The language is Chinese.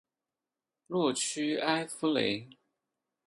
洛屈埃夫雷。